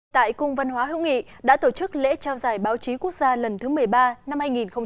tại cung văn hóa hữu nghị đã tổ chức lễ trao giải báo chí quốc gia lần thứ một mươi ba năm hai nghìn một mươi chín